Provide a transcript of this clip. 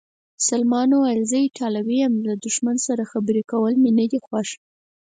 سلمان وویل: زه ایټالوی یم، له دښمن سره خبرې کول مې نه دي خوښ.